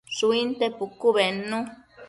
Shuinte pucu bednu